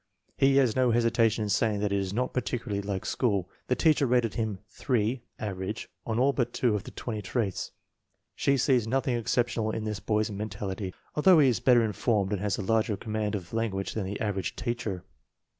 He has no hesitation in saying that he does not particularly like school. The teacher rated him 3 ("average ") on all but two of the twenty traits. She sees nothing exceptional in this boy's men tality, although he is better informed and has a larger command of language than the average teacher.